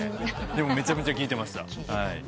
でもめちゃくちゃ聴いてました。